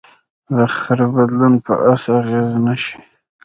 د خره بدلون په آس اغېز نهشي کولی.